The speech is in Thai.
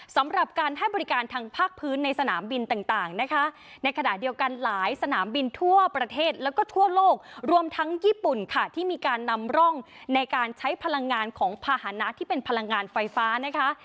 สำหรับการให้บริการทางภาคพื้นในสนามบินต่างนะคะในขณะเดียวกันหลายสนามบินทั่วประเทศแล้วก็ทั่วโลกรวมทั้งญี่ปุ่นค่ะที่มีการนำร่องในการใช้พลังงานของภาษณะที่เป็นพลังงานไฟฟ้านะคะ